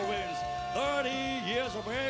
สวัสดีครับทุกคน